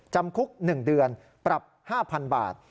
จำคุก๑เดือนปรับ๕๐๐๐บาท